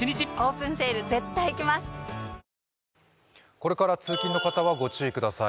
これから通勤の方はご注意ください。